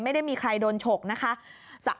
ไม่ได้มีใครโดนฉกนะคะ